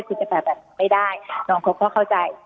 คุณจะแบบแบบนี้ไม่ได้น้องเขาก็เข้าใจ